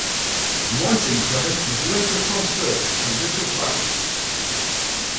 Writing credit was later transferred to Richard Barrett.